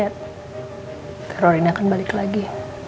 teror ini akan balik lagi